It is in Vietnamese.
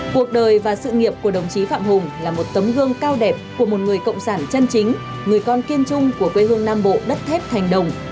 cuộc đời và sự nghiệp của đồng chí phạm hùng là một tấm gương cao đẹp của một người cộng sản chân chính người con kiên trung của quê hương nam bộ đất thép thành đồng